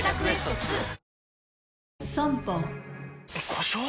故障？